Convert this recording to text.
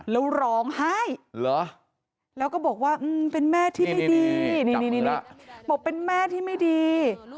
แล้วร้องให้แล้วก็บอกว่าเป็นแม่ที่ไม่ดี